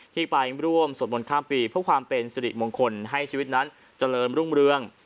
ที่ไปร่วมสวดมนต์ข้ามปีเพื่อความเป็นสิริมงคลให้ชีวิตนั้นเจริญรุ่งเรือง